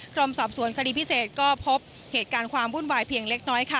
รมสอบสวนคดีพิเศษก็พบเหตุการณ์ความวุ่นวายเพียงเล็กน้อยค่ะ